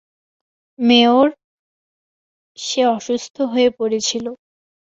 মেয়ার সে অসুস্থ হয়ে পড়েছিলো।